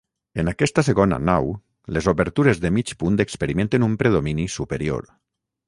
En aquesta segona nau, les obertures de mig punt experimenten un predomini superior.